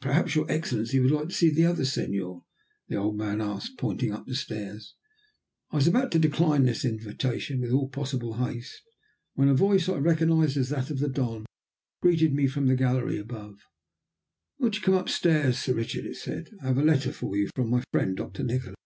"Perhaps your Excellency would like to see the other Senor?" the old man asked, pointing up the stairs. I was about to decline this invitation with all possible haste, when a voice I recognized as that of the Don greeted me from the gallery above. "Won't you come up stairs, Sir Richard?" it said. "I have a letter for you, from my friend, Doctor Nikola!"